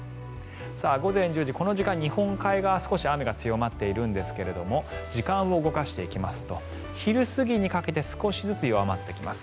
午前１０時、この時間、日本海側少し雨が強まっているんですが時間を動かしていきますと昼過ぎにかけて少しずつ弱まってきます。